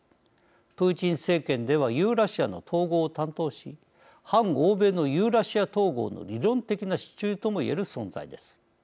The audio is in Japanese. プーチン政権ではユーラシアの統合を担当し反欧米のユーラシア統合の理論的な支柱とも言える存在です。